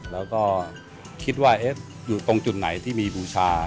แล้วก็คิดว่าอยู่ตรงจุดไหนที่มีบูชา